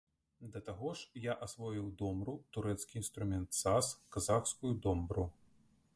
Да таго ж, я асвоіў домру, турэцкі інструмент саз, казахскую домбру.